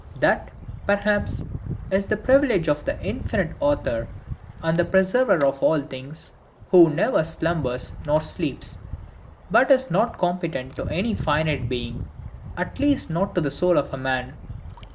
That, perhaps, is the privilege of the infinite Author and Preserver of all things, who "never slumbers nor sleeps"; but is not competent to any finite being, at least not to the soul of man.